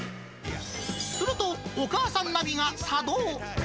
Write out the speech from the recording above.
すると、お母さんナビが作動。